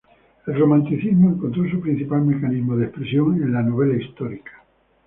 El romanticismo encontró su principal mecanismo de expresión en la novela histórica.